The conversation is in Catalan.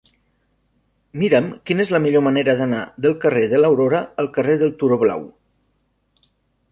Mira'm quina és la millor manera d'anar del carrer de l'Aurora al carrer del Turó Blau.